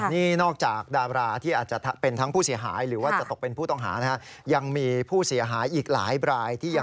นี่นอกจากดาบราที่อาจจะเป็นทั้งผู้เสียหายหรือว่าจะตกเป็นผู้ต้องหา